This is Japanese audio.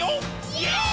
イエーイ！！